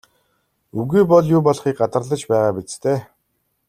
Үгүй бол юу болохыг гадарлаж байгаа биз дээ?